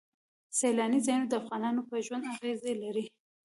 سیلاني ځایونه د افغانانو په ژوند اغېزې لري.